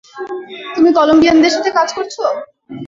তুমি কলম্বিয়ানদের সাথে কাজ করছ?